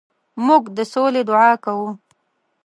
موږ د سولې دعا کوو.